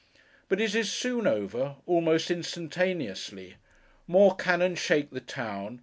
But it is soon over—almost instantaneously. More cannon shake the town.